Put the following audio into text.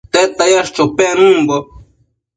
¿Tedta yash chopec nëmbo ?